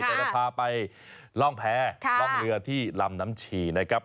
จะพาไปล่องแพรล่องเรือที่ลำน้ำฉี่นะครับ